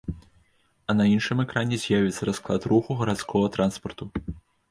А на іншым экране з'явіцца расклад руху гарадскога транспарту.